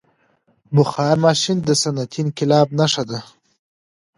• بخار ماشین د صنعتي انقلاب نښه ده.